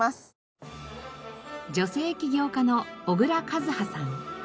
女性起業家の小倉一葉さん。